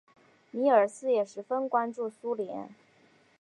米尔斯也十分关注苏联。